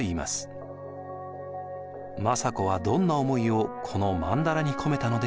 政子はどんな思いをこのまんだらに込めたのでしょうか。